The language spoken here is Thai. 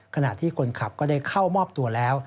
ขณะที่คนขับก็ได้เข้ามอบตัวแล้ว